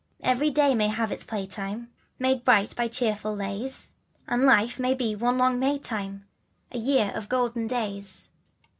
Every day may have its playtime Made bright by cheerful lays; And life be one long Maytime, A year of golden days.